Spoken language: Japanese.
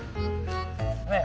ねえ。